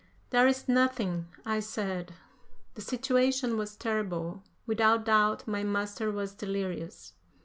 "There is nothing," I said. The situation was terrible. Without doubt my master was delirious.